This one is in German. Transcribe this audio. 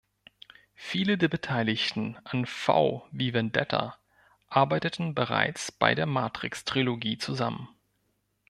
Viele der Beteiligten an "V wie Vendetta" arbeiteten bereits bei der Matrix-Trilogie zusammen.